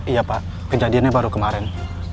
iya pak kejadiannya baru kemarin